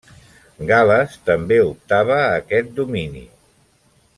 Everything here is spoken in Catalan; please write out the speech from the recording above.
Gal·les també optava a aquest domini.